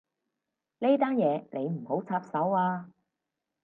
呢單嘢你唔好插手啊